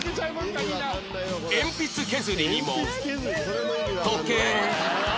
鉛筆削りにも時計